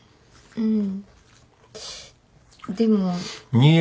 うん。